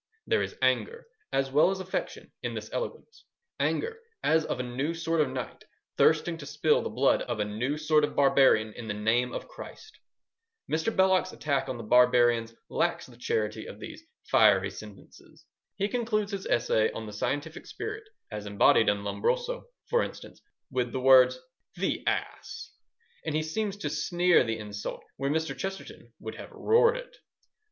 There is anger, as well as affection, in this eloquence—anger as of a new sort of knight thirsting to spill the blood of a new sort of barbarian in the name of Christ. Mr. Belloc's attack on the barbarians lacks the charity of these fiery sentences. He concludes his essay on the scientific spirit, as embodied in Lombroso, for instance, with the words, "The Ass!" And he seems to sneer the insult where Mr. Chesterton would have roared it.